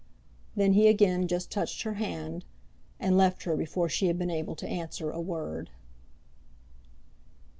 Then he again just touched her hand, and left her before she had been able to answer a word.